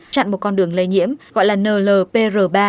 chặn một con đường lây nhiễm gọi là nlp r ba